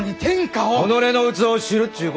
己の器を知るっちゅう